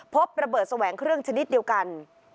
พบระเบิดแสวงเครื่องชนิดเดียวกัน